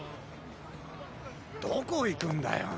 どこいくんだよ。